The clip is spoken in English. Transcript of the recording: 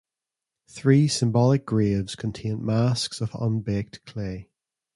Three symbolic graves contained masks of unbaked clay.